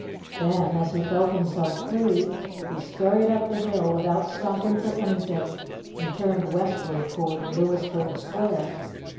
Then, as he felt himself free, he scurried up the hill without stopping for anything, and turned westward toward Louisburg Square.